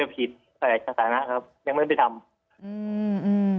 แตกสาระครับยังไม่ได้ไปทำ